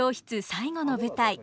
最後の舞台。